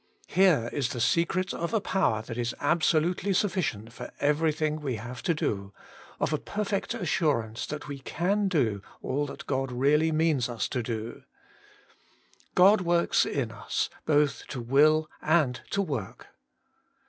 Here is the secret of a power that is abso lutely sufficient for everything we have to do, of a perfect, assurance that we can do ^U^that God really means us to do, God works in us both to will and to work.